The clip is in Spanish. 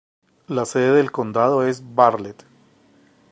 La sede del condado es Bartlett.